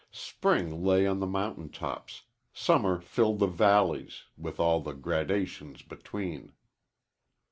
Spring lay on the mountain tops summer filled the valleys, with all the gradations between.